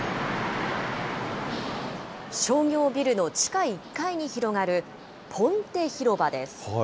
商業ビルの地下１階に広がるポンテ広場です。